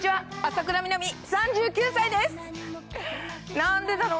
なんでだろう？